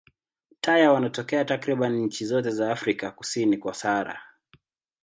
Taya wanatokea takriban nchi zote za Afrika kusini kwa Sahara.